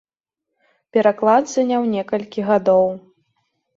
Пераклад заняў некалькі гадоў.